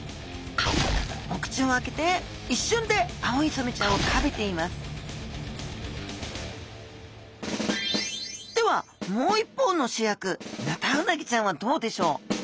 お口をあけていっしゅんでアオイソメちゃんを食べていますではもう一方のしゅやくヌタウナギちゃんはどうでしょう？